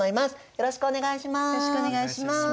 よろしくお願いします。